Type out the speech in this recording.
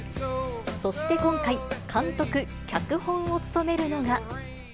そして今回、監督、脚本を務めるのが。